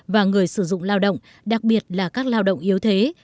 và người sử dụng lao động đặc biệt là các lao động yếu thế